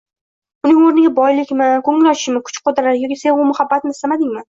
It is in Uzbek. Uning oʻrniga boylikmi, koʻngil ochishmi, kuch-qudrat yo sevgi-muhabbatmi istamadingmi